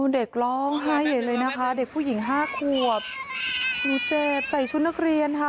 เด็กร้องไห้ใหญ่เลยนะคะเด็กผู้หญิงห้าขวบหนูเจ็บใส่ชุดนักเรียนค่ะ